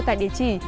tại địa chỉ